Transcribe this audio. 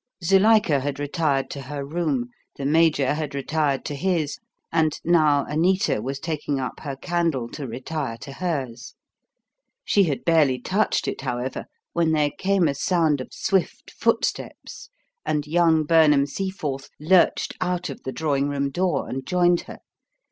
Zuilika had retired to her room, the Major had retired to his, and now Anita was taking up her candle to retire to hers. She had barely touched it, however, when there came a sound of swift footsteps and young Burnham Seaforth lurched out of the drawing room door and joined her.